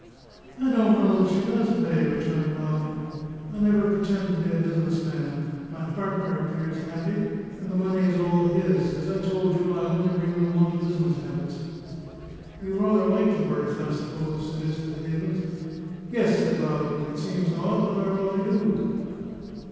"I don't know that she does pay," returned Loudon. "I never pretend to be a business man. My partner appears happy; and the money is all his, as I told you I only bring the want of business habits." "You rather like the berth, I suppose?" suggested Havens. "Yes," said Loudon; "it seems odd, but I rather do."